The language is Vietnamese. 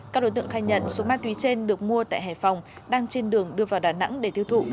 các đối tượng khai nhận số ma túy trên được mua tại hải phòng đang trên đường đưa vào đà nẵng để tiêu thụ